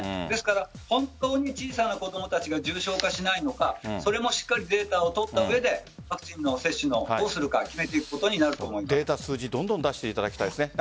ですから本当に小さな子供たちが重症化しないのかそれもしっかりデータを取った上でワクチンの接種をするかデータ、数字どんどん出していただきたいです。